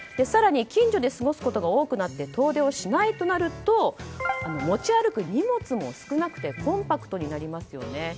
更に近所で過ごすことが多くなって遠出をしないとなると持ち歩く荷物も少なくてコンパクトになりますよね。